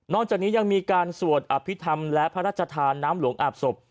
จากนี้ยังมีการสวดอภิษฐรรมและพระราชทานน้ำหลวงอาบศพ